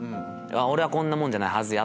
俺はこんなもんじゃないはずや！